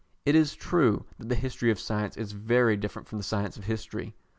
It is true that the history of science is very different from the science of history.